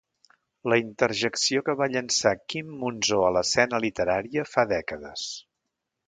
La interjecció que va llançar Quim Monzó a l'escena literària, fa dècades.